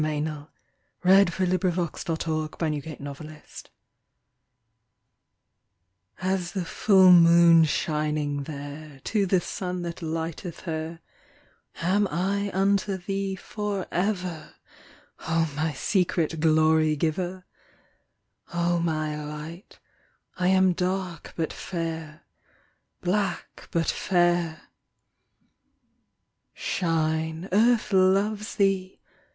THE POET SINGS TO HER POET THE MOON TO THE SUN As the full moon shining there To the sun that lighteth her Am I unto thee for ever, O my secret glory giver! O my light, I am dark but fair, Black but fair. Shine, Earth loves thee!